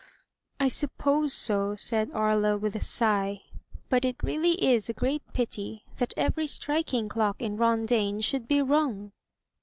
" I suppose so," said Aria, with a sigh; "but it really is a great pity that every striking clock in Rondaine should be wrong!"